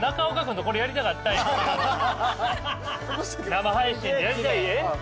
生配信でやりたい。